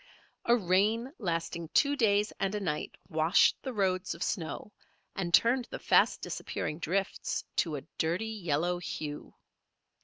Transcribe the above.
A rain lasting two days and a night washed the roads of snow and turned the fast disappearing drifts to a dirty yellow hue.